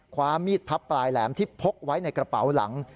ความมีดพับปลายแหลมที่พกไว้ในกระเป๋าหลัง